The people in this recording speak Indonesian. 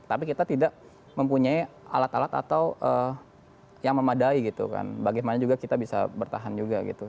tapi kita tidak mempunyai alat alat atau yang memadai gitu kan bagaimana juga kita bisa bertahan juga gitu